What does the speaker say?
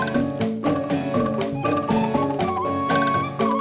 masih ada yang mau berbicara